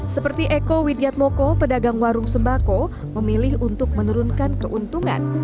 seperti eko widyatmoko pedagang warung sembako memilih untuk menurunkan keuntungan